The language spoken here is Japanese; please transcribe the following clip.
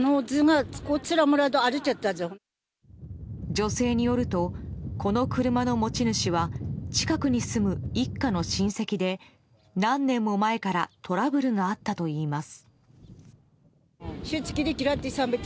女性によるとこの車の持ち主は近くに住む一家の親戚で何年も前からトラブルがあったといいます。